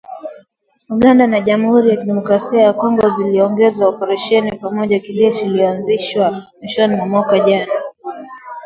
Uganda na Jamhuri ya Kidemokrasi ya Kongo, ziliongeza operesheni ya pamoja ya kijeshi iliyoanzishwa mwishoni mwa mwaka jana